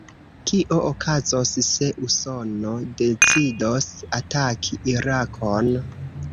Kio okazos, se Usono decidos ataki Irakon?